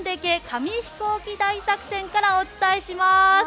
紙ヒコーキ大作戦」からお伝えします。